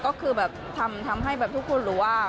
ก็คือแบบทำให้แบบทุกคนรู้ว่า